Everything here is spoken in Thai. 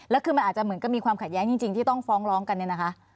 แล้วคือมันอาจจะเหมือนกับมีความขัดแย้งจริงที่ต้องฟ้องร้องกันเนี่ยนะคะ